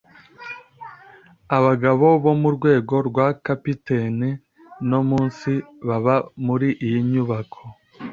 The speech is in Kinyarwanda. Abagabo bo mu rwego rwa capitaine no munsi baba muri iyi nyubako.